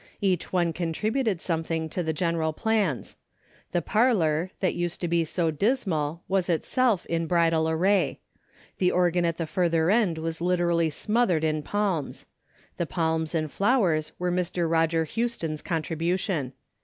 Each one contributed something to the general plans. The parlor, that used to be so dismal Avas itself in bridal array. The organ at the further end Avas literally smoth 335 336 A DAILY RATEy ered in palms. The palms and flowers were Mr. Roger Houston's contribution.